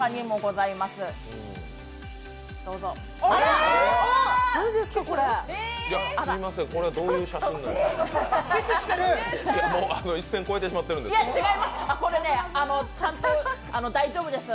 すいません、これはどういう写真なんですか？